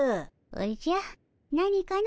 おじゃ何かの？